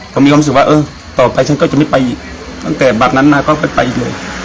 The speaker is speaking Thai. ผมมีความรู้สึกว่าเออต่อไปก็ไม่ไปอีกตั้งแต่มัดนั้นน่ะก็ไปอีกด้วย